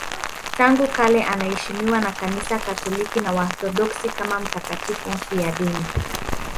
Tangu kale anaheshimiwa na Kanisa Katoliki na Waorthodoksi kama mtakatifu mfiadini.